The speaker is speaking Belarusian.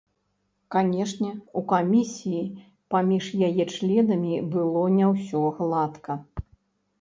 Канешне, у камісіі паміж яе членамі было не ўсё гладка.